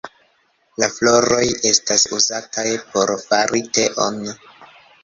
La floroj estas uzataj por fari teon.